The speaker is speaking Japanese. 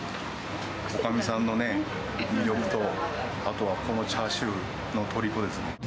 おかみさんのね、魅力と、あとはこのチャーシューのとりこです。